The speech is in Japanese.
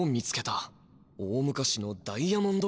大昔のダイヤモンド